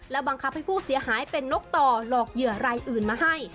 บังคับให้ผู้เสียหายเป็นนกต่อหลอกเหยื่อรายอื่นมาให้